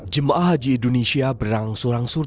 jemaah haji indonesia berangsur angsur